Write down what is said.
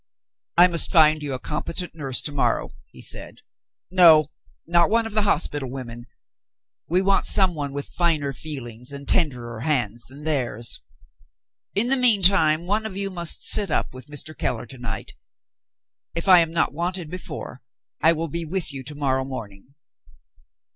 "I must find you a competent nurse to morrow," he said. "No, not one of the hospital women we want someone with finer feelings and tenderer hands than theirs. In the meantime, one of you must sit up with Mr. Keller to night. If I am not wanted before, I will be with you to morrow morning."